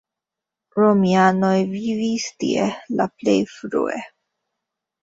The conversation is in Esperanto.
Romianoj vivis tie la plej frue.